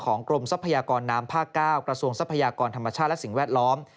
กรมทรัพยากรน้ำภาค๙กระทรวงทรัพยากรธรรมชาติและสิ่งแวดล้อม